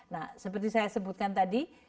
nah seperti saya sebutkan tadi